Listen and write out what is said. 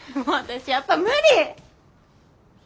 もう私やっぱ無理！